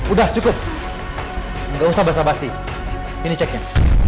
udah cukup gak usah basah basih ini ceknya